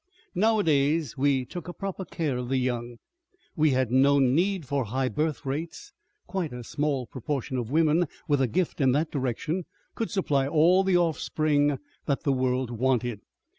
Nowadays we took a proper care of the young, we had no need for high birth rates, quite a small proportion of women with a gift in that direction could supply all the offspring that the world wanted.